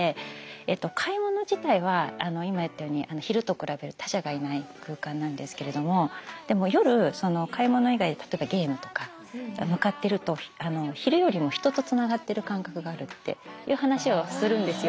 えっと買い物自体は今言ったように昼と比べる他者がいない空間なんですけれどもでも夜買い物以外例えばゲームとか向かってるとっていう話をするんですよ